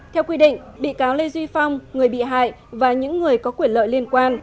theo quy định bị cáo lê duy phong người bị hại và những người có quyền lợi liên quan